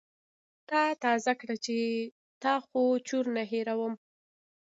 تا زياته کړه چې ته خو چور نه هېروم.